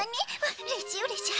うれしいうれしい。